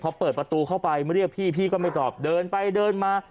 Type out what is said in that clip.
พอเปิดประตูเข้าไปเรียกพี่พี่ก็ไม่ตอบเดินไปเดินมา